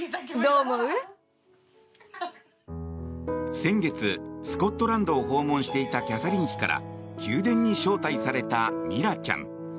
先月、スコットランドを訪問していたキャサリン妃から宮殿に招待されたミラちゃん。